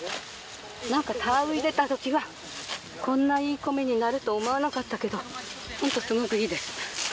なんか田植えたときは、こんないい米になると思わなかったけど、本当、すごくいいです。